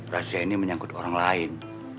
rahasia ini menyangkut orang lain